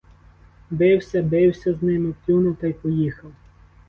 Бився, бився з ними, плюнув та й поїхав.